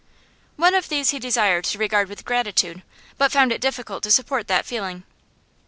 One of these he desired to regard with gratitude, but found it difficult to support that feeling.